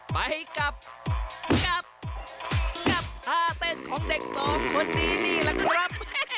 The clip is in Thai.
ไปกับกับกับท่าเต้นของเด็กสองคนนี้ละครับ